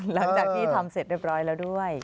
หลังจากที่ทำเสร็จเรียบร้อยแล้วด้วย